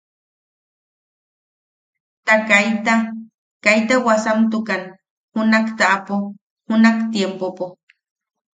Ta kaita kaita wasamtukan junak taapo junak tiempopo.